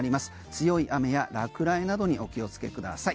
強い雨や落雷などにお気をつけください。